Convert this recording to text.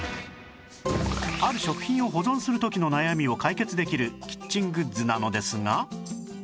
ある食品を保存する時の悩みを解決できるキッチングッズなのですが